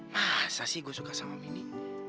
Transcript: masa sih gue suka sama mini